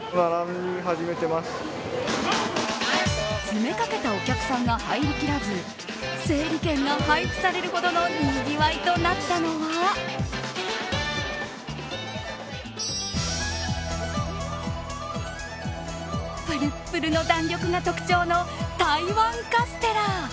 詰めかけたお客さんが入りきらず整理券が配布されるほどのにぎわいとなったのはプルップルの弾力が特徴の台湾カステラ。